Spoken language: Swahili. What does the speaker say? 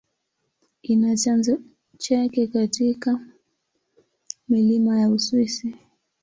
Ina chanzo chake katika milima ya Uswisi.